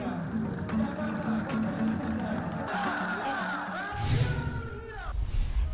yang mencari kepentingan